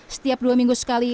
setiap dua minggu sekali